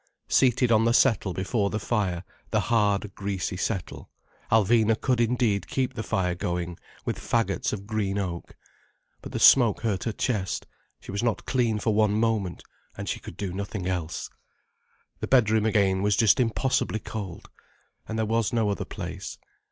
Seated on the settle before the fire, the hard, greasy settle, Alvina could indeed keep the fire going, with faggots of green oak. But the smoke hurt her chest, she was not clean for one moment, and she could do nothing else. The bedroom again was just impossibly cold. And there was no other place.